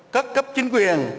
các cấp chính quyền